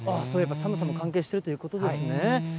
そういえば、寒さも関係しているということですね。